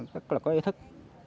rất là có ý thức